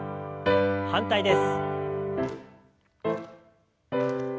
反対です。